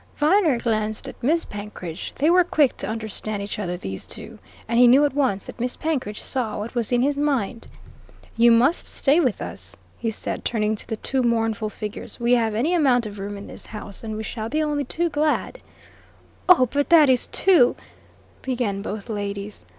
Viner glanced at Miss Penkridge. They were quick to understand each other, these two, and he knew at once that Miss Penkridge saw what was in his mind. "You must stay with us," he said, turning to the two mournful figures. "We have any amount of room in this house, and we shall be only too glad " "Oh, but that is too " began both ladies.